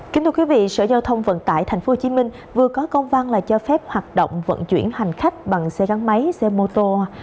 kính thưa quý vị sở giao thông vận tải tp hcm vừa có công văn là cho phép hoạt động vận chuyển hành khách bằng xe gắn máy xe mô tô